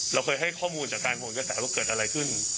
เราเคยให้ข้อมูลจากการโหนกระแสว่าเกิดอะไรขึ้น